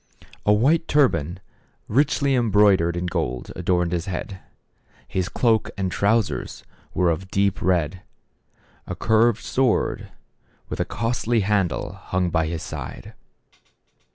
A white turban, richly embroidered with gold, adorned his head; his cloak and trousers were of deep red ; a curved sword, with a costly handle, hung by his side.